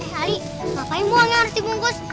eh ali ngapain buang yang harus dibungkus